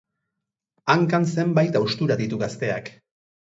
Hankan zenbait haustura ditu gazteak.